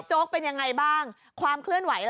บิ๊กโจ๊กเป็นยังไงบ้างความเคลื่อนไหว